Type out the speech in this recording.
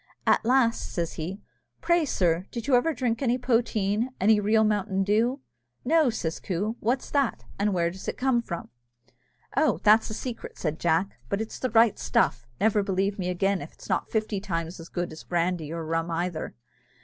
At last says he, "Pray, sir, did you ever drink any poteen? any real mountain dew?" "No," says Coo; "what's that, and where does it come from?" "Oh, that's a secret," said Jack, "but it's the right stuff never believe me again, if 'tis not fifty times as good as brandy or rum either.